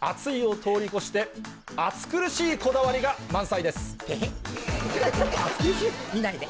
熱いを通り越して、暑苦しいこだわりが満載です。へへっ、見ないで。